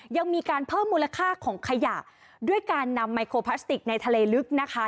ยังมีการเพิ่มมูลค่าของขยะด้วยการนำไมโครพลาสติกในทะเลลึกนะคะ